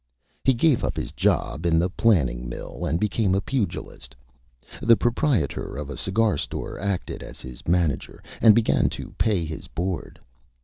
He gave up his Job in the Planing Mill and became a Pugilist. The Proprietor of a Cigar Store acted as his Manager, and began to pay his Board.